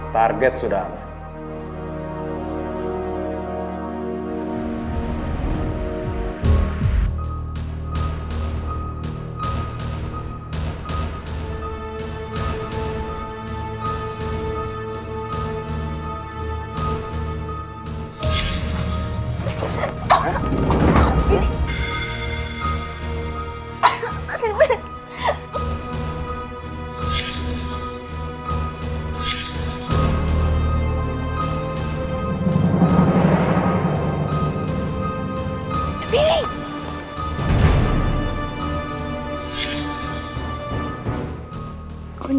target sudah aman